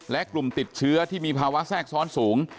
และกลุ่มติดเชื้อที่มีภาวะแทรกซ้อนสูง